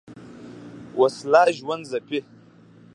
وسله ژوند ځپي